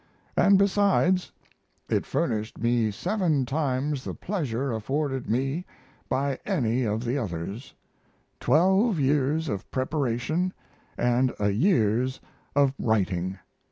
And besides, it furnished me seven times the pleasure afforded me by any of the others: 12 years of preparation & a years of writing.